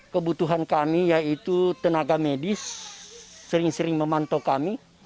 kebutuhan kami yaitu tenaga medis sering sering memantau kami